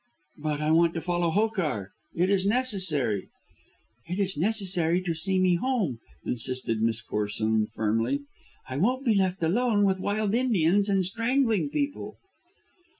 "But I want to follow Hokar. It is necessary " "It is necessary to see me home," insisted Miss Corsoon firmly. "I won't be left alone with wild Indians and strangling people."